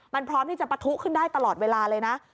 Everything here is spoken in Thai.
มันพร้อมที่จะปะทุขึ้นได้ตลอดเวลาเลยนะ